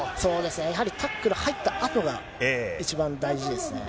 やはりタックル入ったあとが一番大事ですね。